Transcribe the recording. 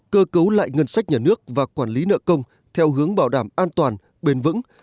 cơ cấu lại ngân sách nhà nước và quản lý nợ công theo hướng bảo đảm an toàn bền vững